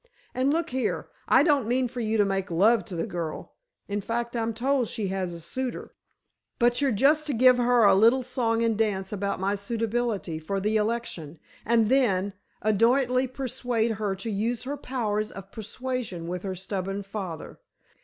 And, look here, I don't mean for you to make love to the girl. In fact, I'm told she has a suitor. But you're just to give her a little song and dance about my suitability for the election, and then adroitly persuade her to use her powers of persuasion with her stubborn father.